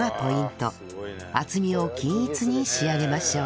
厚みを均一に仕上げましょう